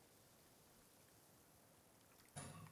Whatever you may think of her, she's not here now.